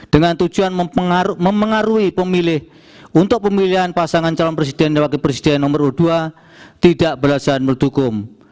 dengan tujuan mempengaruhi pemilih untuk pemilihan pasangan calon presiden dan wakil presiden nomor urut dua tidak berhasil mendukung